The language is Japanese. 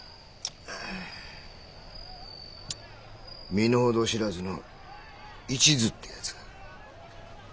身の程知らずの一途ってやつが。